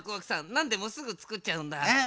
なんでもすぐつくっちゃうんだ。